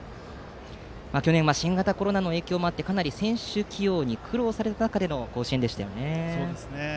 去年は新型コロナの影響もあってかなり選手起用に苦労される中での甲子園でしたよね。